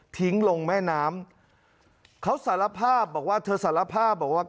ลงแม่น้ำเขาสารภาพบอกว่าเธอสารภาพบอกว่า